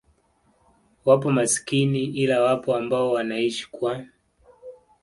wapo masikini ila wapo ambao wanaishi kwa